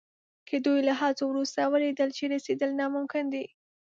که دوی له هڅو وروسته ولیدل چې رسېدل ناممکن دي.